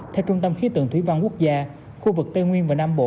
theo trung tâm khí tượng thủy văn quốc gia khu vực tây nguyên và nam bộ